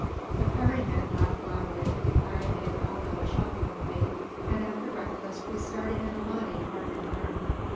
The prairie men laughed loudly, declaring they would all go a shopping with me; and, after breakfast, we started in a body, arm in arm.